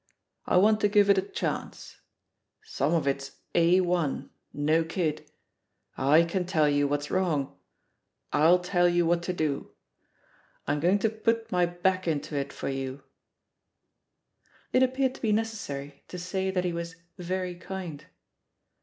I want to give it a chance. Some of it's A 1 — ^no kid! / can tell you what's wrong; FU tell you what to do. I'm going to put my back Into it for you." It appeared to be necessary to say that he was "very kind."